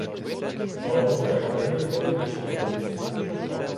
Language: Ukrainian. Але нори — не найголовніші позиції.